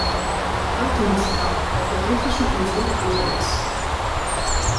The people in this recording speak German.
Artemis Cup" auf der griechischen Insel Leros.